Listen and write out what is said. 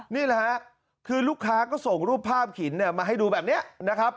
นี่แหละฮะคือลูกค้าก็ส่งรูปภาพหินมาให้ดูแบบนี้นะครับ